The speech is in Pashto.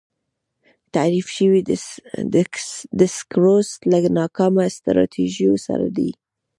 تحریف شوی دسکورس له ناکامه سټراټیژیو سره دی.